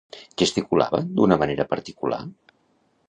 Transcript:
Gesticulava d'una manera particular?